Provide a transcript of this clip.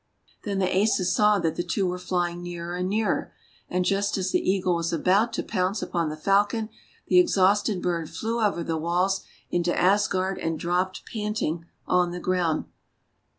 Then the Asas saw that the two were flying nearer and nearer. And just as the Eagle was about to pounce upon the Falcon, the exhausted bird flew over the walls into Asgard and dropped panting on the ground.